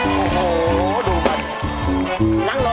โอ้โหดูกัน